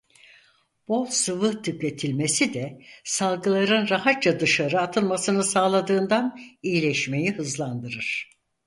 Bol sıvı tüketilmesi de salgıların rahatça dışarı atılmasını sağladığından iyileşmeyi hızlandırır.